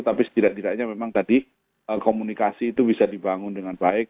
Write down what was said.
tapi setidak tidaknya memang tadi komunikasi itu bisa dibangun dengan baik